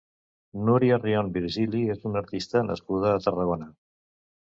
Núria Rion Virgili és una artista nascuda a Tarragona.